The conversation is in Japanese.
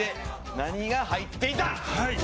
何が入っていた？